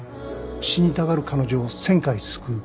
「死にたがる彼女を１０００回救う」？